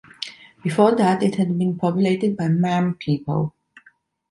Before that, it had been populated by Mam people.